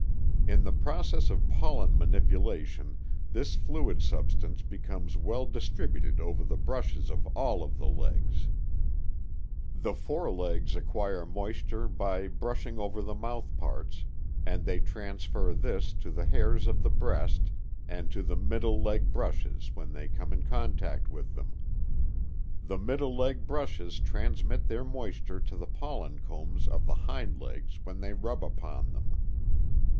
In the process of pollen manipulation this fluid substance becomes well distributed over the brushes of all of the legs. The forelegs acquire moisture by brushing over the mouthparts, and they transfer this to the hairs of the breast and to the middle leg brushes when they come in contact with them. The middle leg brushes transmit their moisture to the pollen combs of the hind legs when they rub upon them.